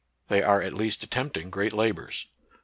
They are at least attempting great labors.